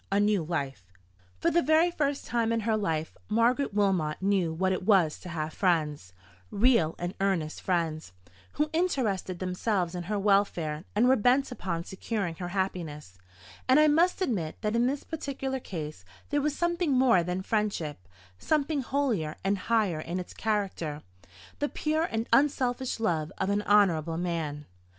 A NEW LIFE. For the first time in her life, Margaret Wilmot knew what it was to have friends, real and earnest friends, who interested themselves in her welfare, and were bent upon securing her happiness; and I must admit that in this particular case there was something more than friendship—something holier and higher in its character—the pure and unselfish love of an honourable man.